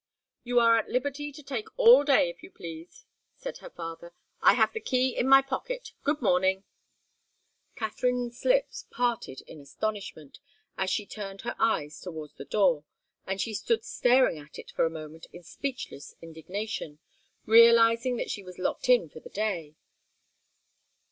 "You are at liberty to take all day if you please," said her father. "I have the key in my pocket. Good morning." Katharine's lips parted in astonishment, as she turned her eyes towards the door, and she stood staring at it for a moment in speechless indignation, realizing that she was locked in for the day.